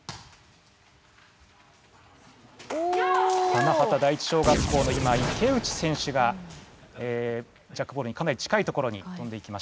花畑第一小学校の今池内選手がジャックボールにかなり近いところにとんでいきました。